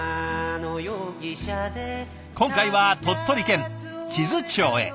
今回は鳥取県智頭町へ。